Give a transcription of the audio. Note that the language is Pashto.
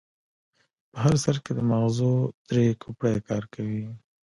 په هر سر کې د ماغزو درې کوپړۍ کار کوي.